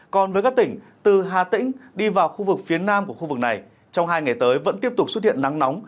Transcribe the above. còn với các tỉnh từ hà tĩnh đi vào khu vực phía nam của khu vực này trong hai ngày tới vẫn tiếp tục xuất hiện nắng nóng